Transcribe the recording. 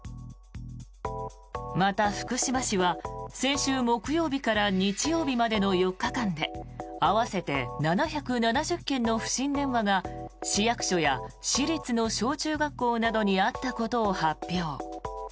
また、福島市は先週木曜日から日曜日までの４日間で合わせて７７０件の不審電話が市役所や市立の小中学校などにあったことを発表。